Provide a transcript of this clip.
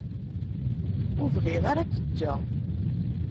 Ur bɣiɣ ara ad k-ǧǧeɣ.